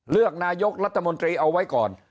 เลือกนายกรัฐมนตรีเอาไว้ก่อน